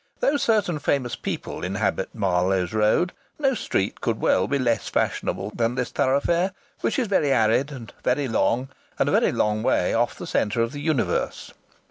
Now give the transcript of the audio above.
Though certain famous people inhabit Marloes Road, no street could well be less fashionable than this thoroughfare, which is very arid and very long, and a very long way off the centre of the universe.